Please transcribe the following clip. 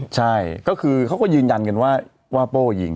ใช่ก็คือเขาก็ยืนยันกันว่าโป้ยิง